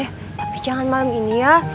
tapi jangan malam ini ya